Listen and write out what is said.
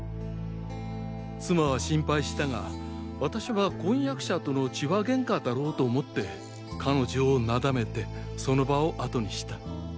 妻は心配したが私は婚約者との痴話ゲンカだろうと思って彼女をなだめてその場を後にした。